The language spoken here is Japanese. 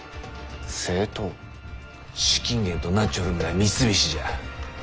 資金源となっちょるんが三菱じゃ。